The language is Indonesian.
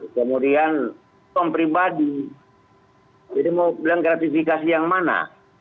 kemudian kaum pribadi jadi mau bilang gratifikasi yang mana